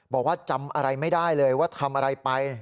บอกว่าจำอะไรไม่ได้เลยว่าทำอะไรไป